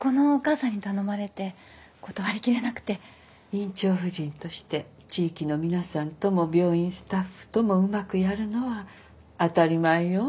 院長夫人として地域の皆さんとも病院スタッフともうまくやるのは当たり前よ。